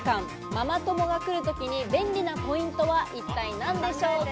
ママ友が来るときに便利なポイントは一体何でしょうか？